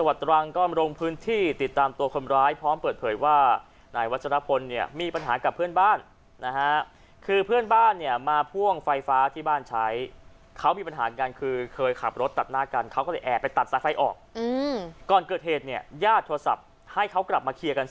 อะไรก็ได้กับเพื่อนเนี่ยครับ